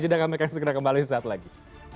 sedangkan mereka yang segera kembali suatu lagi